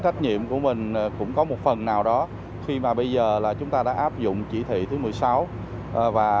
trách nhiệm của mình cũng có một phần nào đó khi mà bây giờ là chúng ta đã áp dụng chỉ thị thứ một mươi sáu và